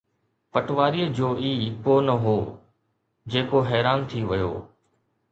پٹواريءَ جو ئي ڪو نه هو، جيڪو حيران ٿي ويو.